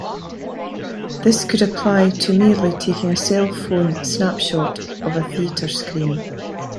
This could apply to merely taking a cell phone snapshot of a theatre screen.